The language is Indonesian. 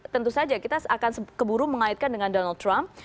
tentu saja kita akan keburu mengaitkan dengan donald trump